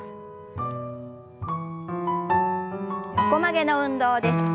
横曲げの運動です。